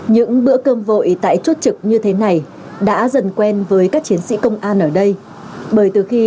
những bữa cơm vội tại chốt trực như thế này đã dần quen với các chiến sĩ công an ở đây bởi từ khi